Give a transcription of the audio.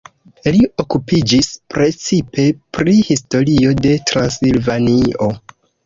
Li okupiĝis precipe pri historio de Transilvanio.